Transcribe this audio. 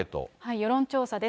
世論調査です。